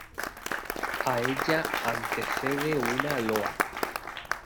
A ella antecede una loa.